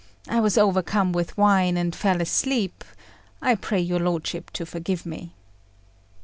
I was overcome with wine, and fell asleep: I pray your lordship to forgive me."